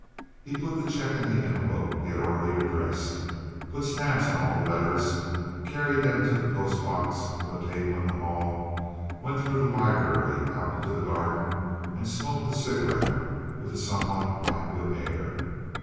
He put the cheque into the envelope he had already addressed, put stamps on all the letters, carried them to the post box on a table in the hall, went through the library out into the garden, and smoked a cigarette with a somewhat languid air.